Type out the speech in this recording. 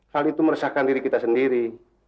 hal itu meresahkan diri kita sendiri